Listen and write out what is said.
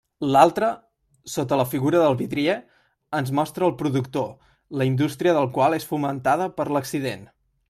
L'altre, sota la figura del vidrier, ens mostra el productor la indústria del qual és fomentada per l'accident.